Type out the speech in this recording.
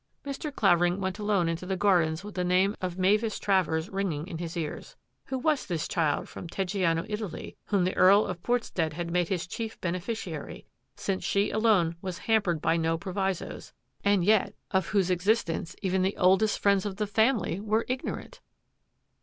Mr. Clavering went alone into the gardens with the name of Mavis Travers ringing in his ears. Who was this child from Teggiano, Italy, whom the Earl of Portstead had made his chief ben eficiary, since she alone was hampered by no pro visos, and yet of whose existence even the oldest friends of the family were ignorant?